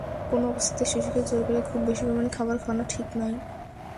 কোনো অবস্থাতেই শিশুকে জোর করে খুব বেশি পরিমাণ খাবার খাওয়ানো ঠিক নয়।